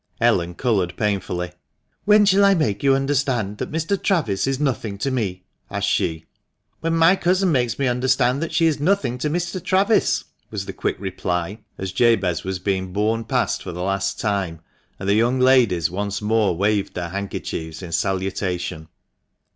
Ellen coloured painfully. "When shall I make you understand that Mr. Travis is nothing to me?" asked she. "When my cousin makes me understand that she is nothing to Mr. Travis," was the quick reply, as Jabez was being borne past for the last time, and the young ladies once more waved their handkerchiefs in salutation.